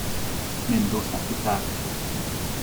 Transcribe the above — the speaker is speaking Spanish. Mendoza "et al".